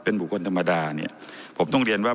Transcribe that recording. เป็นบุคคลธรรมดาเนี่ยผมต้องเรียนว่า